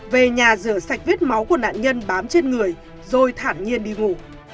về nhà rửa sạch vết máu của nạn nhân bám trên người rồi thản nhiên đi ngủ